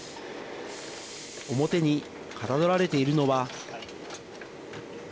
表にかたどられているのは。